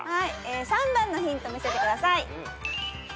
３番のヒント見せてください。